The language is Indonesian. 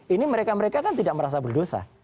ini mereka mereka kan tidak merasa berdosa